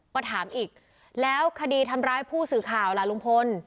ก็ถามอีกแล้วคดีทำร้ายผู้สื่อข่าวล่ะลุงพล